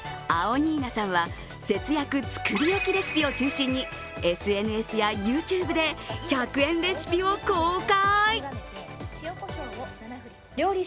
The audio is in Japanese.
にーなさんは節約作り置きレシピを中心にＳＮＳやＹｏｕＴｕｂｅで１００円レシピを公開。